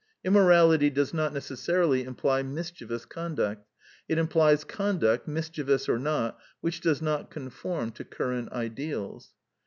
Immorality does not necessarily imply mischievous conduct: it implies conduct, mischievous or not, which does not conform to current ideals.